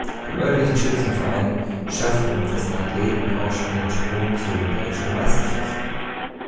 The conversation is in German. Im örtlichen Schützenverein schafften dessen Athleten auch schon den Sprung zu den deutschen Meisterschaften.